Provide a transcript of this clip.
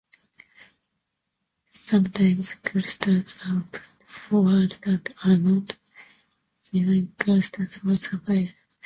Sometimes clusters are put forward that are not genuine clusters or superclusters.